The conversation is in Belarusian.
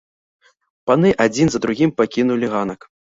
Паны адзін за другім пакінулі ганак.